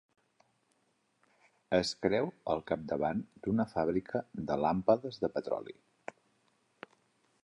Es creu al capdavant d'una fàbrica de làmpades de petroli.